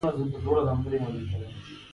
د حق د متابعت توفيق راکړه.